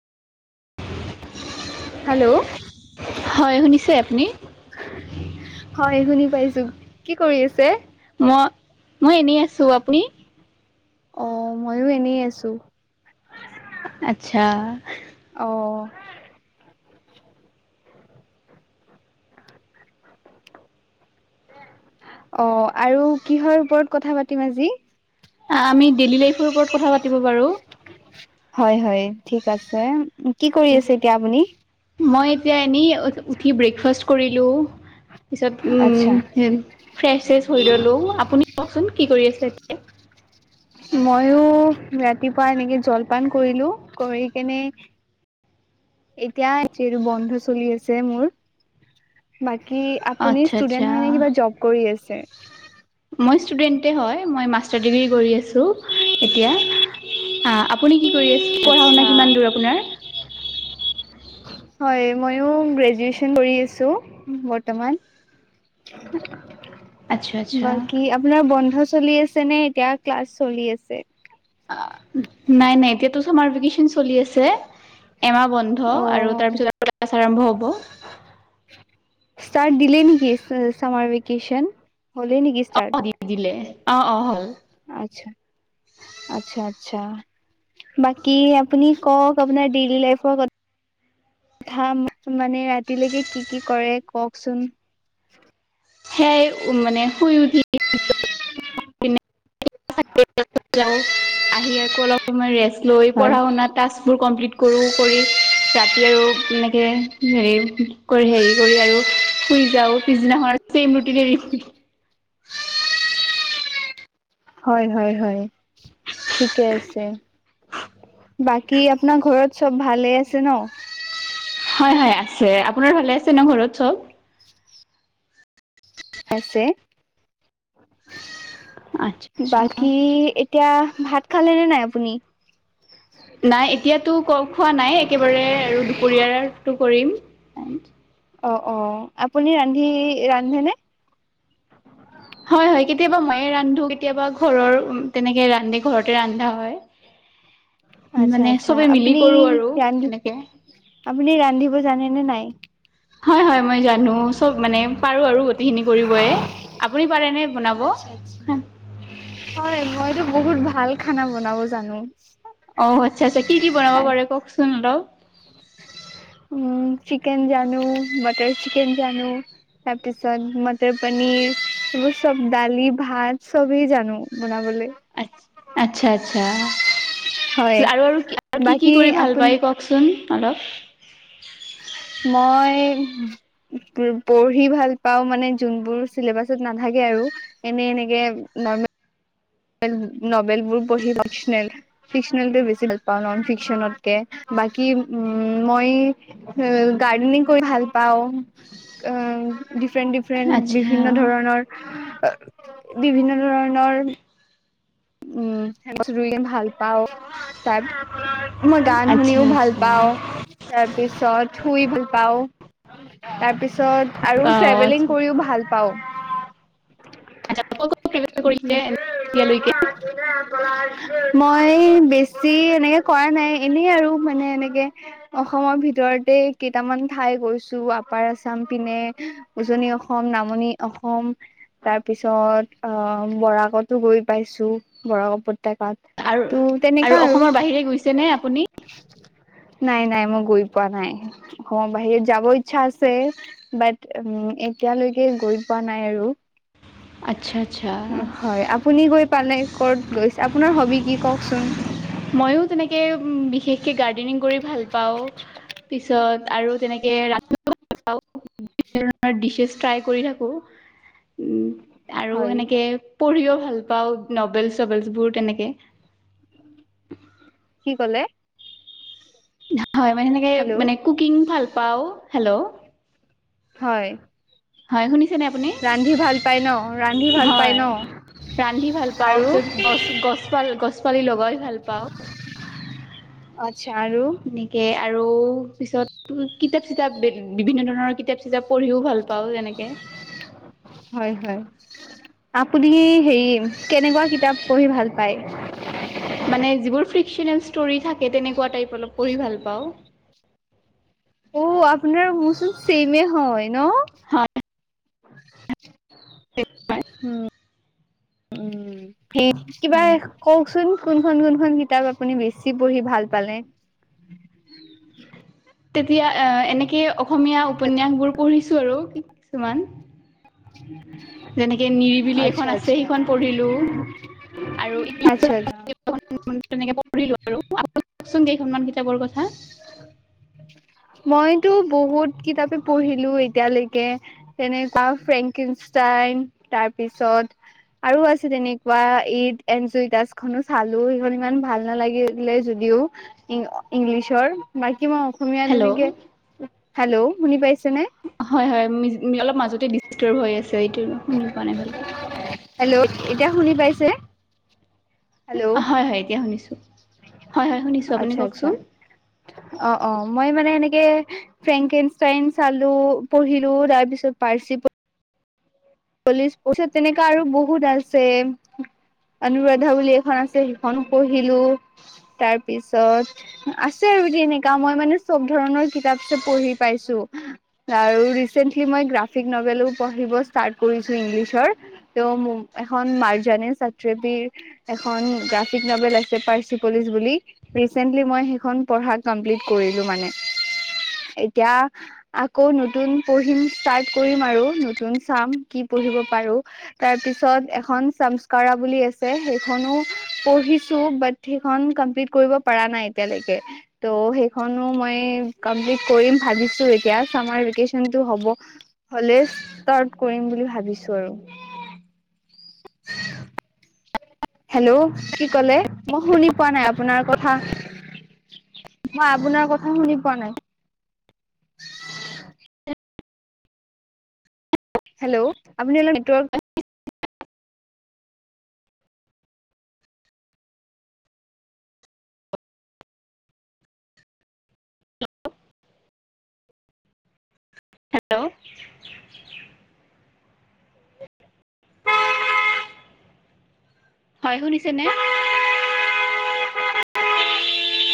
Hello হয় শুনিছে আপুনি? হয় শুনি পাইছো কি কৰি আছে? মই মই এনেই আছো আপুনি? অ ময়ো এনেই আছো। আচ্ছা। অ'। অ' আৰু কিহৰ ওপৰত কথা পাতিম আজি? আমি ডেইলি লাইফৰ ওপৰত কথা পাতিব পাৰো। হয় হয় ঠিক আছে কি কৰি আছে এতিয়া আপুনি? মই এতিয়া এনেই উঠি ব্ৰেকফাষ্ট কৰিলো। পিছত উ আচ্ছা হে ফ্ৰেচ চেচ হৈ ৰলো আপুনি কওকচোন। কি কৰি আছে এতিয়া? ময়ো ৰাতিপুৱা এনেকে জলপান কৰিলো কৰি কেনে এতিয়া এইটো বন্ধ চলি আছে মোৰ বাকী কি আপুনি আচ্ছা আচ্ছা ষ্টুডেন্ট হয় নে কিবা জব কৰি আছে? মই ষ্টুডেণ্টে হয় মই মাষ্টাৰ ডিগ্ৰী কৰি আছোঁ এতিয়া। অ' আপুনি কি কৰি আছে পঢ়া শুনা আচ্ছা কিমান দূৰ আপোনাৰ? হয় মইয়ো গ্ৰেজুৱেচন কৰি আছো বৰ্তমান। আচ্ছা আচ্ছা বাকী আপোনাৰ বন্ধ চলি আছে নে এতিয়া ক্লাছ চলি আছে? নাই নাই এতিয়াতো চামাৰ ভেকচন চলি আছে। এমাহ বন্ধ আৰু তাৰ অ', পিছত ক্লাছ আৰম্ভ হব। ষ্টাৰ্ দিলে নেকি চামাৰ ভেক্যন? অ' দি দিলে অ' অ' হ'ল। আচ্ছা আচ্ছা আচ্ছা। বাকী আপুনি কওক আপোনাৰ ডেইলি লাইফৰ ক থা মানে ৰাতিলৈকে কি কি কৰে কওকচোন? সেয়াই মানে শুই উঠ [inaudible] যাওঁ আহি আকৌ অলপ সময় ৰেষ্ট লৈ হয়, পঢ়া শুনা টাস্কবোৰ কমপ্লিট কৰোঁ কৰি ৰাতি আৰু এনেকে হেৰি কৰি হেৰি কৰি আৰু শুই যাও পিছদিনাখন চেম ৰুটি হেৰি [inaudible] হয় হয় হয় ঠিকে আছে। বাকী আপোনাৰ ঘৰত চব ভালে আছে ন? হয় হয় আছে আপোনাৰ ভালে আছে ন ঘৰত চব? আছে। আচ্ছা আচ্ছা বাকী এতিয়া ভাত খালে নে নাই আপুনি? নাই এতিয়াতো ক খোৱা নাই একেবাৰে আৰু দুপৰীয়টো কৰিম। অ' অ' আপুনি ৰান্ধি ৰান্ধেনে? হয় হয় কেতিয়াবা ময়ে ৰান্ধো কেতিয়াবা ঘৰৰ তেনেকে ৰান্ধে ঘৰতে ৰান্ধা হয়। [inaudible] আচ্ছা মানে আচ্ছা চবে মিলি আপুনি কৰো আৰু ৰান্ধি তেনেকে। আপুনি ৰান্ধিব জানেনে নাই? হয় হয় মই জানো চব মানে পাৰো আৰু গোটখিনি কৰিয়েই, আপুনি পাৰে নে? আচ্ছা আচছা হয় মইতো বহুত ভাল খানা বনাব জানো। অঔ আচ্ছা আচ্ছা কি কি বনাব পাৰে কওকচুন অলপ। উম চিকেন জানো বাটাৰ চিকেন জানো। তাৰপিছত মটৰ পনিৰ এইবোৰ চব দালি ভাত চবেই জানো বনাবলৈ। আচ্ছা আচ্ছা। হয়। আৰু আৰু আৰু কি কি বাকী কৰি ভাল আপুনি পায় কওকচোন অলপ উ পঢ়ি ভাল পাওঁ মানে যোনবোৰ চিলেবাছত নাথাকে আৰু এনে এনেকে ন নভেল বোৰ পঢ়ি ফিক্নেল ফিক্সনেলটো বেছি ভাল পাওঁ নন ফিক্সনতকে বাকী উ মই গাৰ্ডেনিং কৰি ভাল পা ফ্ৰেণ্ড ডিফ্ৰেণ্ড আচ্ছা বিভিন্ন ধৰণৰ বিভিন্ন ধৰণৰ উম ত পছত ৰুই ভাল পাও চাই মই গান আচ্ছা শুনিও ভাল আচ্ছা। পাও তাৰ পিছ িছত শুই ভুল পাও তাৰ পিছত ত পছত আৰু অ ট্ৰেভেলিং আচ্ছা। কৰিও ভাল পাওঁ আচ্ছা ট্ৰেভেল কৰিলে এতিয়ালৈকে মই বেছি এনেকে কৰা নাই এনেই আৰু মানে এনেকে অসমৰ ভিতৰতে কেইটামান ঠাই গৈছো আপাৰ আছাম পিনে উজনি অসম অসম নামনি অসম তাৰ পিছত অ বৰাকতো গৈ পাইছো বৰাক উপত্য তা আৰু পা তেনেকা আৰু অসমৰ বাহিৰে গৈছেনে আপুনি নাই নাই মই গৈ পোৱা নাই অসমৰ বাহিৰত যাবই ইচ্ছা আছে বাট এতিয়ালৈকে গৈ পোৱা নাই আৰু আচ্ছা আচ্ছা হয় আপুনি গৈ পালে ক'ত গৈছে আপোনাৰ হবি কি কওকচোন ময়ো তেনেকে উ বিশেষকে গাৰ্ডেনিং কৰি ভাল পাও পিছত আৰু তেনেকে আও ডিছেছ ট্ৰাই কৰি থাকো উ আৰু হয় সেনেকে পঢ়িও ভাল পাও নবেলচ ন'বেল বোৰ তেনে কি ক'লে হয় মানে হেনেকে হেল্ল' মানে কুকিং ভাল পাওঁ। হেল্ল' হয় হয় শুনিছেনে আপুনি ৰান্ধি ভাল পাই ন ৰান্ধি ভাল পাই হয় ন ৰান্ধি ভাল পাওঁ আৰু পিছত গছ গছ গছ পালি লগাই ভাল পাওঁ আচ্ছা আৰু এনেকে আৰু পিছত কিতাপ চিতাপ বিভিন্ন ধৰণৰ কিতাপ চিতাপ এ পঢ়িও ভাল পাওঁ যেনেকে হয় হয় আপুনি হেৰি কেনেকুৱা কিতাপ পঢ়ি ভাল পাই মানে যিবোৰ ফ্ৰিকনেল ষ্টৰি থাকে তেনেকুৱ অলপ পঢ়ি ভাল পাওঁ অ আপোনাৰ মোৰচোন চেমে হয় ন হয় উ উ সেই কিবা কওঁকচোন কোনখন কোনখন কিতাপ আপুনি বেছি পঢ়ি ভাল পালে তেতিয়া এনেকে অসমীয়া উপন্যাসবোৰ পঢ়িছো আৰু কিছুমান যেনেকে নিৰিবিলি এখন আচ্ছা আছে আচ্ছা সেইখন পঢ়িলো আৰু আচ তেনেকে পঢ়িলো আৰু আৰু ককচোন কেইখনমান কিতাপৰ কথা মইতো বহুত কিতাপে পঢ়িলো এতিয়ালৈকে তেনেুৱা ফ্ৰেংকষ্টাইন ফেঙ তাৰ পিছত আৰু আছে তেনেকুৱা ঈদ এনজদছ খনো চালো সেইখন ইমান ভাল নালাগিলে যদি। হেল্ল ইংলিছৰ বাকী মই অসমীয়া হেল্ল' তেনেকে হেল্ল' শুনি পাইছ হয় - হয় অলপ মাজতে ডিষ্টৰ হৈ আছে। টোৰ শুনি পোৱা নাই ভালকে। হেল্ল' এতিয়া শুনি পাইছে হেল্ল' হয় হয় এতিয়া শুনিছো। হয় হয় শুনিছো আপুনি আচ্ছা আচ্ছা কওঁকচোন অ - অ। মই মানে এনেকে ফ্ৰেংকনাইন চালো পঢ়িলো তাৰ পিছত পাৰ্চি চল্লিশ পচ তেনেকুৱা আৰু বহুত আছে। অনুৰাধা বুলি এখন আছে সেইখন পঢ়িলো তাৰ পিছত আছে। মই মানে চব ধৰণৰ কিতাপ পঢ়ি পাইছো আৰু ৰিচেন্লি মই গ্ৰাফিক নভেলো পঢ়িব। ষ্টাৰ্ট কৰিছো ইংলিছৰ তেওঁ এখন মাৰ্জানে ছাত্ৰীৱীৰ এখন গ্ৰাফিক নভেল আছে পাৰ্চিপলিচ বুলি ৰিচেন্টলি মই সেইখন পঢ়া কমপ্লিট কৰিলো মানে এতিয়া আকৌ নতুন পঢ়িম ষ্টাৰ্ট কৰিম আৰু নতুন। চাম কি পঢ়িব পাৰো তাৰ পিছত এখন চামস্কাৰা বুলি আছে সেইখনো, পঢ়িছো বাত সেইখন কমপ্লিট কৰিব পৰা নাই এতিয়ালৈকে ত' সেইখনো মই কৰি ভাবিছো এতিয়া চামাৰ ভেকেচন টো হব হলেই স্তাৰট কৰিম বুলি ভাবিছো আৰু। হেল্ল' কি কলে মই শুনি পোৱা নাই আপোনাৰ কথা। মই আপোনাৰ কথা শুনি পোৱা নাই। হেল্ল' আপুনি অলপ নেটৰ্ক হেল্ল' আ [inaudible] হয় শুনিছে নে?